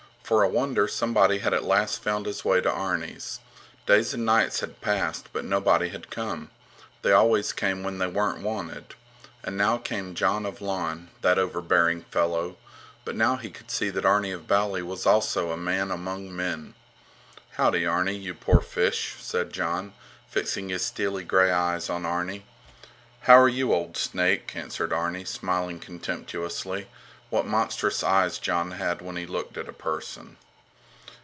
For a wonder, somebody had at last found his way to Arni's. Days and nights had passed, but nobody had come. They always came when they weren't wanted. And now came Jon of Lon, that overbearing fellow! But now he could see that Arni of Bali was also a man among men. Howdy, Arni, you poor fish! said Jon, fixing his steely gray eyes on Arni. How are you, you old snake! answered Arni, smiling contemptuously. What monstrous eyes Jon had when he looked at a person!